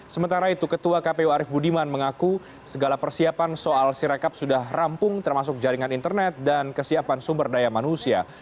sementara itu ketua kpu arief budiman mengaku segala persiapan soal sirekap sudah rampung termasuk jaringan internet dan kesiapan sumber daya manusia